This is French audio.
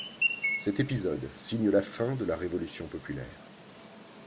Cet épisode signe la fin de la Révolution populaire.